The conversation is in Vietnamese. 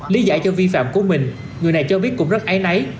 lý giải cho vi phạm của mình người này cho biết cũng rất ái náy